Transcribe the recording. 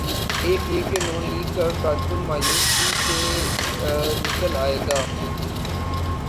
ایک یہ کہ نون لیگ کا کارکن مایوسی سے نکل آئے گا۔